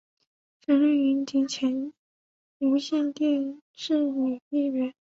陈丽云及前无线电视女艺员。